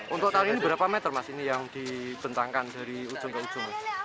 untuk kali ini berapa meter mas ini yang dibentangkan dari ujung ke ujung